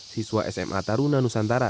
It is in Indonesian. siswa sma taruna nusantara